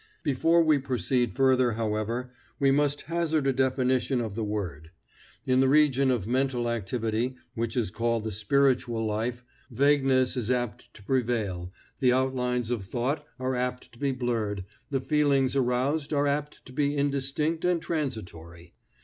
Before we proceed further, however, we must hazard a definition of the word. In the region of mental activity which is called the spiritual life vagueness is apt to prevail, the outlines of thought are apt to be blurred, the feelings aroused are apt to be indistinct and transitory.